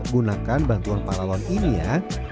gunakan bantuan paralon ini ya